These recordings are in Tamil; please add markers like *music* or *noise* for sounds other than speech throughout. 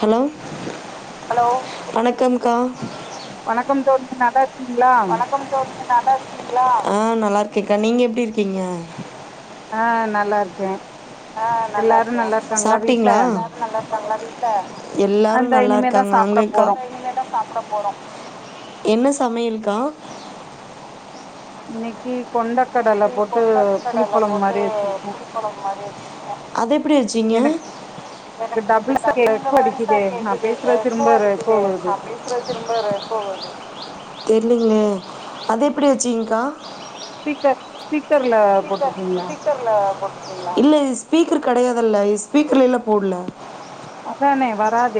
ஹலோ ஹலோ வணக்கம்க்கா வணக்கம் தோழி நல்லா இருக்கீங்களா ஆ நல்லா இருக்கேக்கா நீங்க எப்டி இருக்கீங்க ஆ நல்லா இருக்கே சாப்ட்டீங்களா எல்லாரு நல்லா இருக்காங்க சாப்ட போறோ என்ன சமையல்க்கா இன்னைக்கி அது எப்டி வைய்ச்சிங் ங்க எனக்கு டபுள் வாய்ஸா ஆ கேக்குது எக்கோ அடிக்குது நா பேசுறது திரும்ப ரெக் தெரியலங்கலே அது எப்டி வச்சீங்க்கா கர் ஸ்பீக்கர்ல போட்டுயிருக்கீங்களா இல்ல இது ஸ்பீக்கர் கெடையாதல்ல இது ஸ்பீக்கர்லல்ல போடல அதன வராது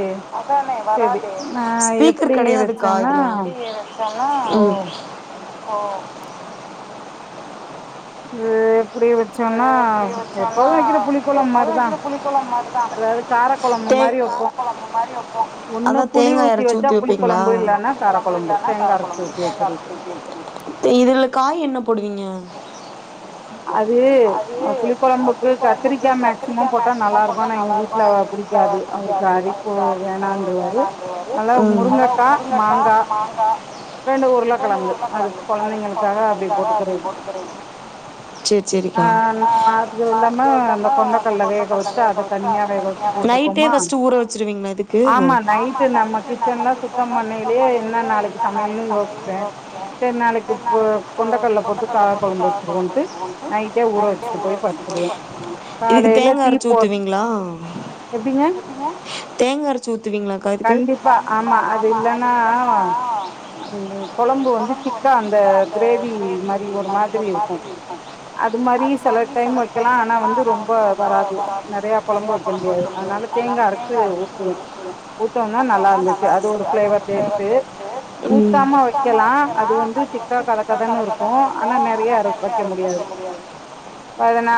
ஸ்பீக்கர் கெடையாதுக்கா இதுல உம் போ உப் இப்டி வச்சோம்ன்னா எப்போது வைக்கிற புளிகொழம்பு மாரிதா அதாது காரகொளம் மாரி வைப்போ ஒன்னு புளி ஊத்தி வச்சா புளிகொழம்பு இல்லைன்னா காரகொழம்பு தேங்கா இதுல காய் என்ன போடுவீங்க அது புளிகொழம்புக்கு கத்திரிக்கா மேக்சிமம் போட்டோ நல்லா இருக்கு ஆன ஏ வீட்ல பிடிக்காது அவருக்கு அரிப்பு வேணான்டுருவாரு அதுனால முருங்கைகா மாங்கா ரெண்டு உருளகிழங்கு அது கொழந்தைங்கக்காக அப்டி போட்டுகிறது செரிக்கா நைட் நைட்டே பஸ்டு ஊற வச்சருவீங்களா இதுக்கு நாளைக்கு சமைலையு யோசிசெ செரி நாளைக்கு கொண்டகடல போட்டு காரகொழம்பு வைச்ச இதுக்கு தேங்காய் அரைச்சு ஊத்துவீங்களா எப்டிங்க தேங்க அரைச்சி ஊத்துவீங்களாக்கா இதுக்கு கொழம்பு வந்து சுண்ட அந்த கிரேவி மாரி ஒரு மாதிரி இருக்கு அது மாரி சில டைம் வைக்கலா ஆனா வந்து ரொம்ப வராது நெறைய கொழம்பு வைக்க முடியாது நாலு தேங்காய் அரைச்சு ஊத்துவே ஊத்தோனா நல்லா இருந்துச்சு அது ஒரு பிளேவர் டேஸ்ட் ஊத்தாம வைக்கலா அது வந்து திக்கா கலக்கதன்னு இருக்கு ஆனா நெறைய இருக் வைக்க முடி வைக்க முடியாது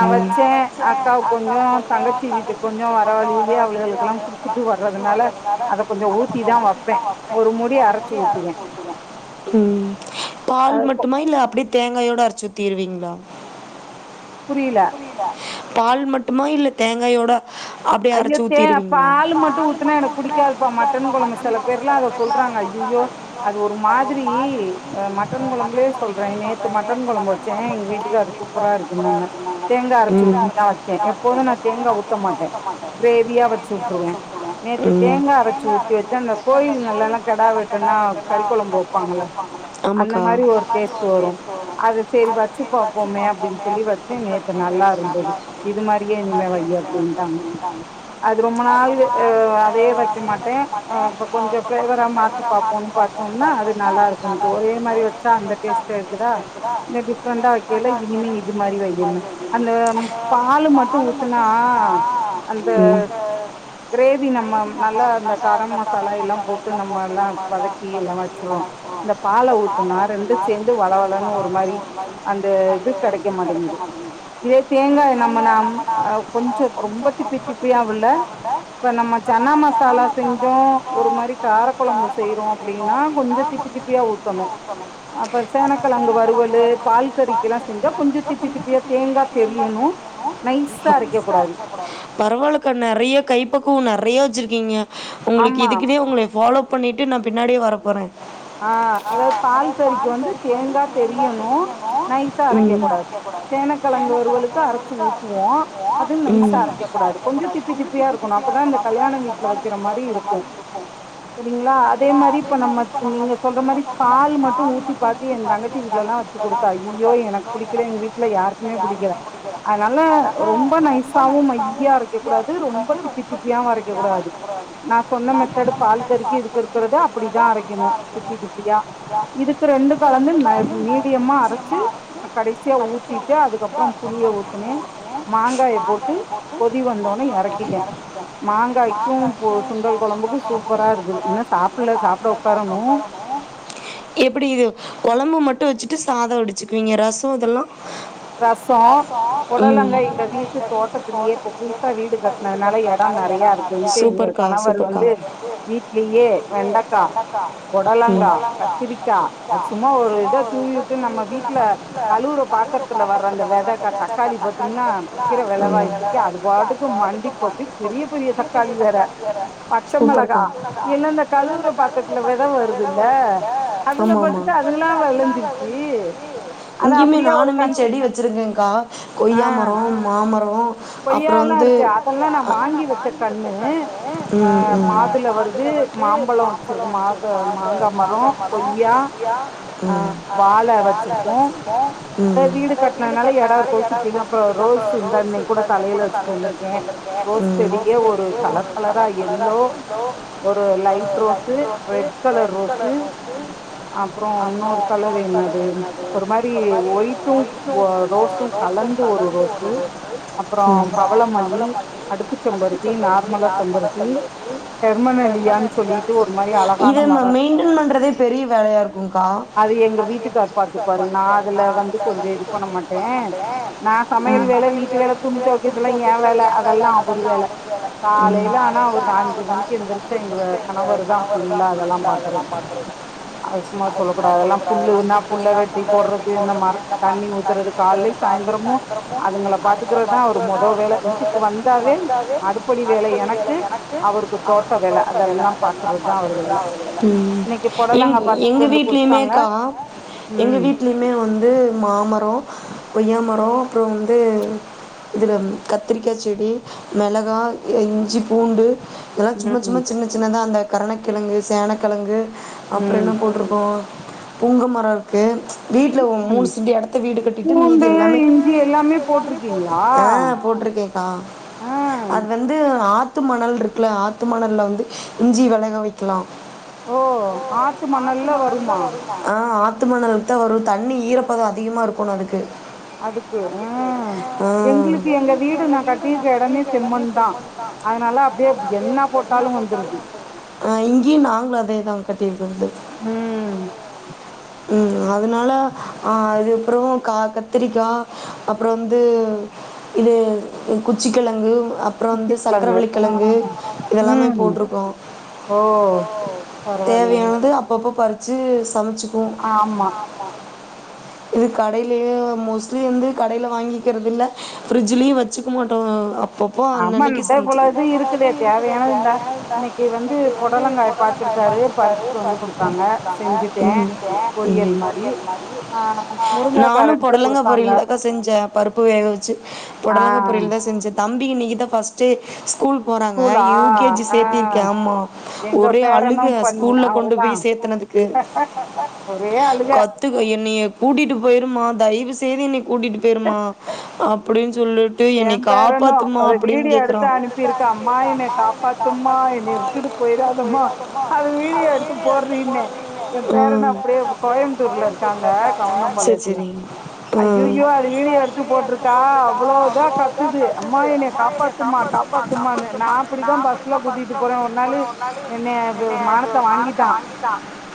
நா நெனச்சே அக்காவுக்கு கொஞ்சோ தங்கச்சிக்கு கொஞ்சோ வரச்சிட்டு வரதுனால அத கொஞ்சோ ஊத்தி தா வைப்பே ஒரு முடி அர போட்டுவே உம் பால் மட்டுமா இல்லை அப்டியே தேங்காயோட அரைச்சு ஊத்திருவீங்களா புரியல்ல பால் மட்டுமா இல்லை தேங்காயோட அப்டியே அரைச்சு ஊத்திருவீங்க சொல்றாங்க அது ஒரு மாரி மட்டன் கொழம்பு சொல்றாங்க மட்டன் ச்சாங்கிட் ட்டுகார் சூப்பரா இருக்குன்னாங்க தேங்காய் அரைச்சு ஊத்திட்டா வைச்செ எப்போது நா தேங்கா ஊத்த மாட்டே கிரேவியா வச்சு விட்டுருவே நேத்து தேங்கா அரைச்சு ஊத்தி வச்சன் அந்த கோயில்களா கெடா வெட்ட கறிகொழம்பு வைப்பாங்கல அந்த மாரி ஒரு டேஸ்ட் வரு அது செரி வச்சுபாப் ப்பமே அப்டின்னு சொல்லி வச்செ நேத்து நல்லா இருந்தது இது மாரியே இனிமே வை அப்டின்னு டாங்க த அது ரொம்ப நாள் அதயே வெக்க மாட்டே இப்ப கொஞ்சோ ஃபிளேவரா மாத்தி பாப்போன்னு பா தோம்னா அது நல்லா இருக்கும்ட்டு ஒரே மாரி வெச்சா அந்த டேஸ்ட்டு இருக்குதா கொஞ்சோ டிஃப்ரெண்டா எல்லா இனிமே இது மாரி வையுனு அந்த பாலு மட்டு ஊத்துனா அந்த கிரேவி நம்ம நல்லா அந்த கரம் மசாலா எல்லாம் போட்டு நம்ம எல்லா வதக்கி எல்லா வெச்சிருவோ இந்த பால ஊத்துனா ரெண்டு சேந்து வள வளன்னு ஒரு மாரி அந்த இது கெடைக்க மாட்டேங்குது இதே தேங்காய நம்ம நம் கொஞ்சோ ரொம்ப திப்பி திப்பியா உள்ள இப்ப நம்ம சன்னா மசாலா செஞ்சோ ஒரு மாரி கார கொழம்பு வெச்சு செய்றோ அப்டினா கொஞ்சோ திப்பி திப்பியா ஊத்தணு அப்புறோ சேனக்கிழங்கு வருவலு பால் டிக்கெல்லா செஞ்சா கொஞ்சோ திப்பி திப்பியா தேங்கா தெரியணு நைஸா அரைக்கக் கூடாது பரவாலக்கா நெறயா கைப்பக்குவோ நெறயா வெச்சிருக்கீங்க உங்களுக்கு இதுக்குனே உங்கள ஃபாலோ பண்ணிட்டு நா பின்னாடியே வர போறே ஆ அதாவது பால் கறிக்கு வந்து தேங்கா தெரியணு நை ஸா அரைக்க கூடாது சேனக்கிழங்கு வருவளுக்கு அரச்சு ஊத்துவோ அதும் நைசா அரைக்க கூடாது கொ கொஞ்சம் ஞ்சோ திப்பி திப்பியா இருக்கணு அப்பதா இந்த கல்யாண வீட்ல வெக்கிற மாரி இருக்கு செரிங்ளா அதே மாரி இப்ப நம்ம நீங்க சொல்ற மாரி பால் மட்டு ஊத்தி பாத்து என் தங்கச்சி வீட்டெல்லா வெச்சு குடுத்தா அய்யோ எனக்கு புடிக்கல எங்க வீட்ல யாருக்குமே புடிக்கல அது நல்லா ரொம்ப நைசாவும் மைய்ய அரைக்க கூடாது ரொம்ப திப்பி திப்பியாவு அரைக்க கூடாது நா சொன்ன மெத்தேடு பால் கறிக்கு இதுக்கு இருக்கிறத அப்டிதா அரைக்கணு திப்பி திப்பியா இதுக்கு ரெண்டு கலந்து அ மீடியமா அரச்சு கடசியா ஊத்திட்டு அதுக்கப்பறம் புளிய ஊத்தினே மாங்காய போட்டு கொதி வ ந்த ஒன்ன எறக்கிட்ட மாங்காய்க்கு சுண்டல் குழம்புக்கு சூப்பரா இருக்குது இன்னு சாப்பில்ல சாப்ட உக்காரும் எப்டி இது கொழம்பு மட்டு வெச்சுட்டு சாதோ வடு வெச்சுக்குவீங்க ரசோ இதெல்லா ரசோ பொடலங்கா எங்க வீட்டு தோட்டத்துலயே போட்டது வீடு *inaudible* சூப்பர்க்கா சூப்பர்க்கா ம் புடலங்கா, கத்திரிக்கா *inaudible* பக்கத்துல வர அந்த வெத அந்த தக்காளி பாத்தீங்னா விக்கிற வெல வாசிக்கு அது பாட்டுக்கு *unintelligible* சூப்பர்க்கா ஆமாமா அத அப்டியே ஒரு கண் செடி வெச்சிருந்தேன்கா கொய்யா மரோ மாமரோ அப்பறோ வந்து வாங்கி வெச்சிருக்காங்கனு ம் மாதுல வந்து மாம்பழோ மாங்க மாங்கா மரோ கொய் யா ம் வாழ வெச்சிப்போ ம் வீடு கட்டினனால எடோ *unintelligible* சொல்லிருக்க ம் ஃபர்ஸ்ட் எடுத்து ஒரு கலர் கலரா எதோ ஒரு light rose red colour rose அப்றோ இன்னொரு கலர் என்னது ஒரு மாரி ஓய் டு அ ரோசு கலந்து ஒரு ரோஸ் அப்றோ பவளமல்லி ஃபர்ஸ்ட் செம்பருத்தி நார்மலா செம்பருத்தி *inaudible* இது நா மெ ய்ன்டன் பன்றதே பெரிய வேலயா இருக்குங்க்கா அத எங்க வீட்டுகாரு பாத்துபாரு நா அதுல வந்துட்டு இது பண்ண மாட்டே ம் நா சமையல் வேல, வீட்டு வேல, துணி துவைக்கர்தெல்லா ஏ வேல அதெல்லா வேல காலைல ஆனா ஒரு நாலஞ்சு மணிக்கு எந்திரிச்சு எங்க கணவர்தா ஃபுல்லா அதெல்லா *unintelligible* அத சும்மா சொல்லக்கூடாதல்ல அதெல்லா புல்லு இருந்தா புல்ல வெட்டி போடறது இந்த மார தண்ணி ஊத்தறது *unintelligible* சாய்ந்தரமு அதுங்கள பாத்துக்கறதுதா அவருக்கு மொதோ வேல இங்க வந்தாவே அடுப்படிவேல எனக்கு அவனுக்கு தோட்ட வேல அதெல்லா பாக்குரதா அவர்வேல ங் எங்க வீட்லியுமே கா எங்க வீட்லியுமே வந்து மாமரோ கொய்யா மரோ அப்புற வந்து இதுல கத்திரிக்கா செடி மிளகா இஞ்சி பூண்டு இதெல்லா சும்மா சும்மா சின்ன சின்னதா அந்த கருணகிழங்கு சேனகிழங்கு அப்புறோ என்ன போட்டிருக்கோ புங்கமரோ இருக்கு வீட்ல உ மூணு செண்டி எடத்த வீடு கட்டிட்டு மீதி எல்லாமே ஆ போட் இருக்கேகா அது வந்து ஆத் ஆத்து மணல் இருக்குல ஆத்து மணல்ல வந்து இஞ்சி வெலக வக்கலாம் ஓ ஆத்து மண்ணல்லா வரு ஆ ஆத்து மணலுக் தான் வரு தண்ணி ஈரப்பத அதிகமா இருக்னோ அதுக்கு அப்டீனா எங்ளுக்கு எங்கவீட நான் கட்டீர்கர எடமே செம்மண் தா ஆ இங்கியு நாங்களு அதேதா கட்டீர்கோ ம் ம் அதனால ஆ அது அப்றோ கா கத்திரிக்கா அப்றோ வந்து இது குச்சி கிழங்கு அப்புறோ வந்து சக்ர வள்ளிகிழங்கு இதெல்லாமே போட்டருக்கோ தேவையானது அப்பப்ப பறிச்சு சமசிக்குவோ இது கடையிலயே மோஸ்ட்லி வந்து கடையில வாங்கிக்கிற தில்ல பிரிஜ்லயு வச்சுக்க மாட்டோ அப் அப்பப்போ அன்னந்னைக்கு சமைச்சுக பாத்துருக்காரு பாத்திட்டு *inaudible* நானும் பொடலங்க பொரியல் தாக்கா சென்சே பருப்பு வேக வச்சு பொடலங்க பொரியில் தான் செஞ்ச தம்பிக்கு இன்னிக்கு தா பஸ்ட்டு டே ஸ்கூல் போறாங்க யூகேஜி சேத்திருகே ஆமா ஒரே அழுக ஸ்கூல்ல கொண்டு போய் க்கு கத்துக்க என்னைய கூடிட்டு போயிருமா தய தைவு செய்து என்ன கூட்டிட்டு போயிருமா அப்படின்னு ஏன் பேரனு அத வீடிய எடுத்து அனுப்பிருக அம்மா என்ன காப்பாத்துமா என்ன வுட்டுடு போய்டாத மா அது வீடியோ எடுத்து போர் *unintelligible* என் பேரன அப்படியே கோயம்புத்தூர்ல இருக்காங்க கவுன்னம்பாளையத்துல அய்யய்யோ அது வீடியோ எடுத்து போட்றுக்க அவ்ளோ கத்துது அம்மா எனை காப்பாத்துமா காப்பாத்துமனு நா அப்படித்தா பஸ்ல கூட்டிட்டு போறே உன்னாலே என்ன மானத்தை வாங்கிட்டா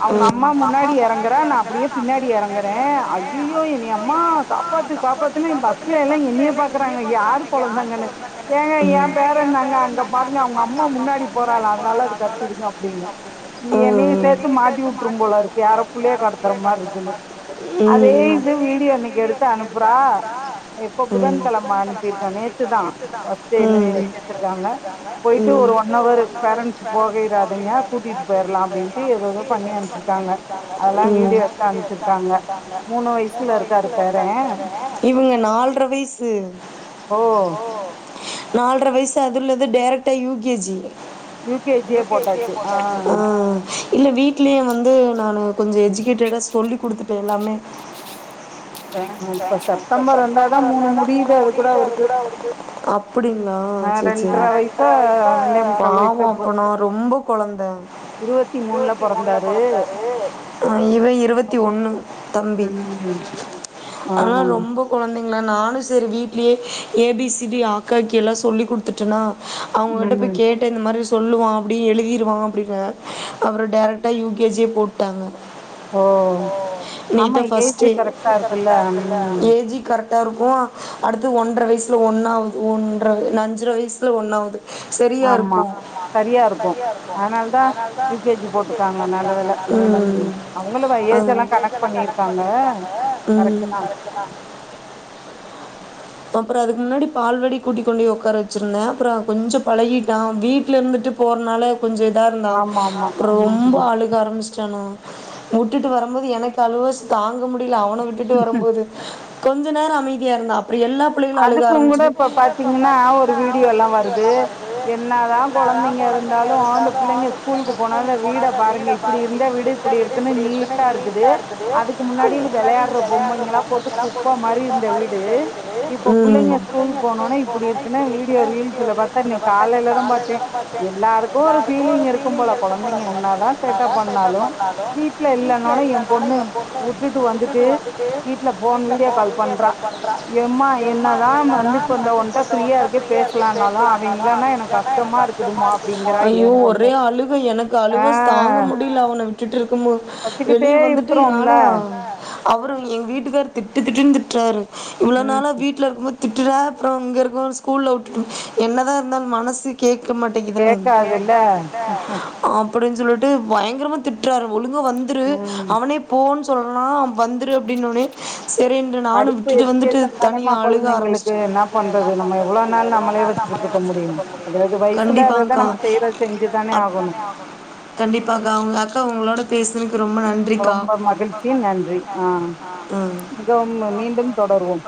அவங்க அம்மா முன்னாடி இறங்குற நா அப்படியே பின்னாடி இறங்குறே அஐயோ என்ன அம்மா காப்பாத்து காப்பாத்து பஸ்ல எல்லா என்னனய பா ராங்க யார் குலந்தாங்கன்னுங்க என் பேராதாங்க அங்க பாருங்க அவங்க அம்மா முன்னாடி போறலா அதனால அது கத்துங்க அப்படின்னு என்ன செத்து மாட்டி விட்டுரும் போல இருக்கு யாரோ புள்ளைய கடத்துற மாதிரி இருக்கு அதே இது வீடியோ இன்னைக்கு எடுத்து அனுப்புறா எப்பொ புதன் கிழமை அனுப்பிருக்க நேத்து தா பஸ்ட் டே சேத்திருக்காங்க போயிட்டு ஒரு ஒன்வர் பேரண்ட் போகிரதிங்க கூட்டிகிட்டு போயிடலாம் அப்படின்ட்டு ஏதது *inaudible* இவங்க நல்லறைவயாசு ஓ நாலரை வயசு அதுல இது டேரெக்டா யூகேஜி ஆ வீட்லயே வந்து நானு கொஞ்ச எஜிகேட்டட் அ சொல்லி் கொடுத்துட்டே எல்லாமே *inaudible* இப்ப செப்டம்பர் வந்தாதான் மூணு முடிது அது கூட அவக்கு அப்படிங்களா ஆ சரி சரி பாவம் அப்பனா ரொம்ப கொழந்த இவை இருபத்தி ஒண்ணு தம்பி ம் அதனா ரொம்ப கொழந்தைங் ளா நானு சரி வீட்லயே ஏ, பி, சி, டி, அ, ஆ, இ, ஈ எல்லா சொல்லி குடுத்துட்டனா அவங்ககிட்ட போய் கேட்டு இந்த மாரி சொல்லுவா அப்டியே எழுதிருவா அப்டின அப்ற டேரெக்டா யூ கே ஜி யே போட்டாங்க ஓ நீட்டா ஃபஸ்ட் ஏ ஏஜ் கரெக்டா இருக்கு அடுத்து ஒன் ற வயசுல ஒன்னாவுது ஒன்ற ல்ல அஞ்சர வயசுல ஒன்னாவுது சரியா இருக்கு ம் ம் ம் அப்பற அதுக்கு முன்னாடி பால்வாடி கூட்டி கொண்டோயி ஒக்கார வச்சிருந்தே அப்பற கொஞ்ச பழகிட்டா வீட்ல இருந்துட்டு போ றனால கொஞ்ச இதா இருந்தா அப்பற ரொம்ப அழுக ஆரம்பிச்ட்டா னு உட்டுட்டு வரும்போது எனக்கு அழுவாச்சி தாங்க முடில அவன விட்டுட்டு வரும்போது கொஞ்ச நேர அமைதியா இருந்தா அப்ற எல்லா பிள்ளைகளு அழுக ஆரம்பிச்சொனி னதா கொழந்தைங்க இருந்தாலு அந்த பிள்ளைங்க ஸ்கூலுக்கு போனாலு வீட பாருங்க இப்பிடி இருந்த வீடு இப்பிடி இருக்குனு நீட்டா இருக்குது அதுக்கு முன்னாடி வெளையாடற பொம்மைங்களா போட்டு குப்ப மாரி இருந்த வீடு இப்ப புள்ளைங்க ஸ்கூல் போனொனே இப்பிடி இருக்குனு வீடியோ ரீல்ஸ்ல பாத்த இன்னைக் காலைலதா பாத்தே எல்லாருக்கு ஒரு ஃபீலிங் இருக்கும் போல கொழந் தைங்க என்னாதா சேட்ட பண்ணாலு வீட்ல இல்லனொனே எம் பொண்ணு உட்டுட்டு வந்துட்டு வீட்ல ஃபோன் வீடியோ கால் பண்றா எம்மா என்னதா வந்து இப்ப இந்த ஒன்ட்ட ஃப்ரீயா இருக்கே பேசலானாலு அவ இல்லனா எனக்கு கஷ்டமா இருக்குதுமா அப்டிங்கிறா எம் பொண்ணே எனக்கு அலுவாச்சி தாங்க முடில அவன விட்டுட்டு இருக்குமோ வெளிய வந்துட்டு என்னால அவரு எங்க வீட்டுக்காரு திட்டு திட்டுன் திட்றாரு இவ்ளோ நாளா வீட்ல இருக்கும்போது தி ட்ற அப்ற இங்கிருக்க ஸ்கூல்ல உட்டுட்டு என்னதா இருந்தாலு மனசு கேக் இருக்க மாட்டேங்குதல்லங் அப்டினு சொல்லிட்டு பயங்கரமா திட்றாரு ஒழுங்கா வந்துரு அவனே போன் சொன்னா வந்துரு அப்டின் ஒன்னே செரின்ட்டு நானு விட்டுட்டு வந்துட்டு தனியா அழுக ஆரம்பிச்ட்டே குடுக்க முடியு அதது வயசுல அததா நம்ம செய்றது செஞ்சுதானே ஆகணு கண்டிப்பாக்கா அவுங்க அக்கா உங்களோட ரொம்ப மகிழ்ச்சி நன்றி ஆ மிகவும் மீண்டும் தொடருவோம்